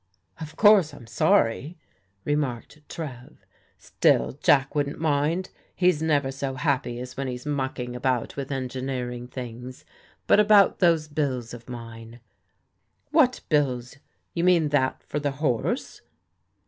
" Of course I'm sorry," remarked Trev ;" still Jack wouldn't mind. He's never so happy as when he's mucking about with engineering things. But about those bills of mine?" " What bills ? You mean that for the horse